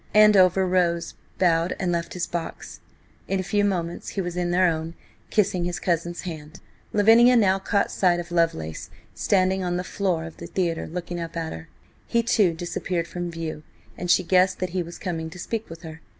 Andover rose, bowed, and left his box. In a few moments he was in their own, kissing his cousin's hand. Lavinia now caught sight of Lovelace standing on the floor of the theatre looking up at her. He, too, disappeared from view, and she guessed that he was coming to speak with her.